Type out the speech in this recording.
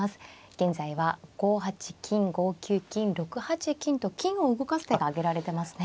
現在は５八金５九金６八金と金を動かす手が挙げられてますね。